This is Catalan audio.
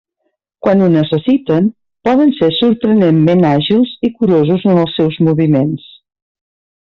Quan ho necessiten, poden ser sorprenentment àgils i curosos en els seus moviments.